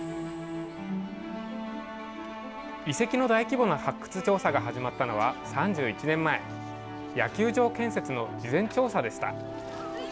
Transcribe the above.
遺跡の大規模な発掘調査が始まったのは３１年前野球場建設の事前調査でした。